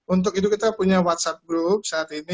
untuk itu kita punya whatsapp group saat ini